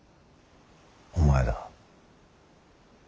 お前だ。